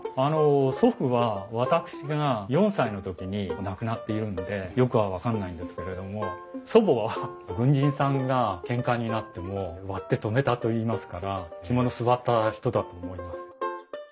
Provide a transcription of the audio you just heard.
祖父は私が４歳の時に亡くなっているのでよくは分かんないんですけれども祖母は軍人さんがけんかになっても割って止めたといいますから肝の据わった人だと思います。